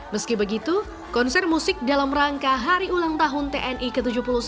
meski begitu konser musik dalam rangka hari ulang tahun tni ke tujuh puluh satu